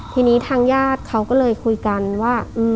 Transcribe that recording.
ทีนี้ทางญาติเขาก็เลยคุยกันว่า